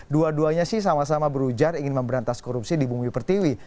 dua duanya sih sama sama berujar ingin memberantas korupsi di bumi pertiwi